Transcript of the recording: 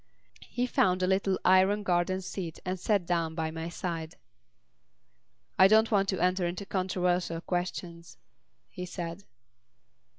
He found a little iron garden seat and sat down by my side. "I don't want to enter into controversial questions," he said.